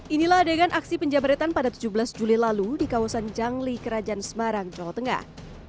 inilah adegan aksi penjabretan pada tujuh belas juli lalu di kawasan jangli kerajaan semarang jawa tengah